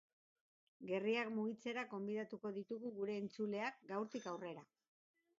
Gerriak mugitzera gonbidatuko ditugu gure entzuleak gaurtik aurrera.